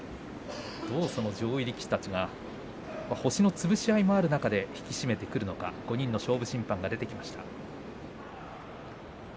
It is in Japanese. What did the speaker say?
どう上位力士たちが星のつぶし合いもある中で引き締めてくるのか５人の勝負審判が出てきました。